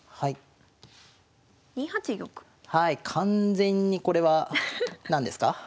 完全にこれは何ですか？